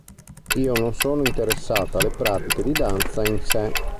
Io non sono interessata alle pratiche di danza in sé.